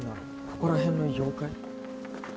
ここら辺の妖怪？